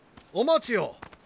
お待ちを。